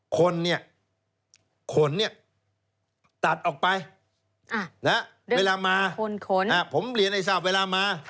ขนเนี่ยขนเนี่ยตัดออกไปแล้วเวลามาผมเหลียนไอ้ทราบเวลามา